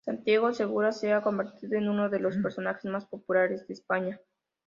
Santiago Segura se ha convertido en uno de los personajes más populares de España.